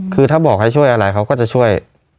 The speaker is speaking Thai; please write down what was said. คือถ้าบอกให้ช่วยอะไรเขาก็จะช่วย